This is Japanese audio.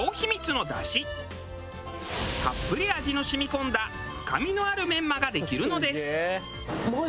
たっぷり味の染み込んだ深みのあるメンマができるのです。